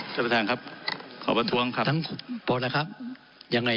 ท่านประธานครับขอประท้วงครับทั้งพอแล้วครับยังไง